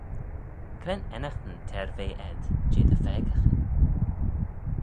Cre'n ennaghtyn t'er ve ayd jeh dty pheccaghyn?